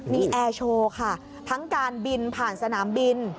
มีแอร์โชว์ค่ะทั้งการบินผ่านสนามบิน